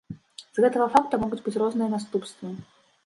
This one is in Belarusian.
З гэтага факта могуць быць розныя наступствы.